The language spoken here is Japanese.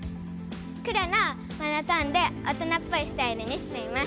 黒のモノトーンで大人っぽいスタイルにしています。